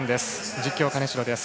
実況、金城です。